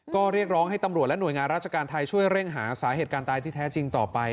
ก็เรียกร้องให้ตำรวจและหน่วยงานราชการไทยช่วยเร่งหาสาเหตุการณ์ตายที่แท้จริงต่อไป